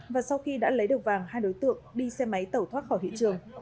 và sau khi đã lấy được vàng hai đối tượng đi xe máy tẩu thoát khỏi hiện trường